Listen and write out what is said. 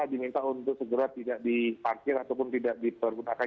diminta untuk segera tidak diparkir ataupun tidak dipergunakan